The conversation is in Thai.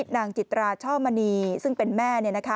นางจิตราช่อมณีซึ่งเป็นแม่